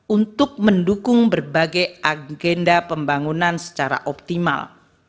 untuk mendukung berbagai agenda pembangunan secara optimal